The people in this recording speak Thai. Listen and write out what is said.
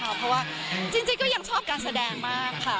เพราะว่าจริงก็ยังชอบการแสดงมากค่ะ